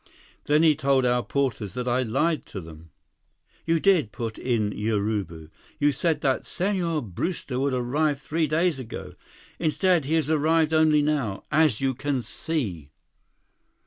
Then he told our porters that I lied to them—" "You did," put in Urubu. "You said that Senhor Brewster would arrive three days ago. Instead he has arrived only now—as you can see."